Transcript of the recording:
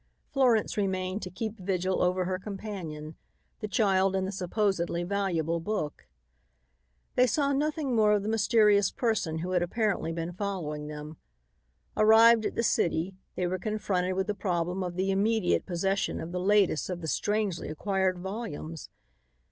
Florence remained to keep vigil over her companion, the child and the supposedly valuable book. They saw nothing more of the mysterious person who had apparently been following them. Arrived at the city, they were confronted with the problem of the immediate possession of the latest of the strangely acquired volumes.